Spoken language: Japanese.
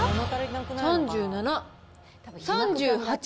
３７、３８。